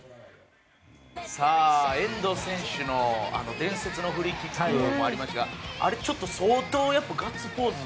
遠藤選手のあの伝説のフリーキックもありましたがあれ、ちょっと相当ガッツポーズ